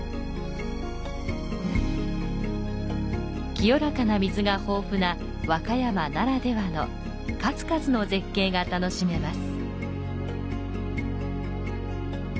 清らかな水が豊富な和歌山ならではの数々の絶景が楽しめます。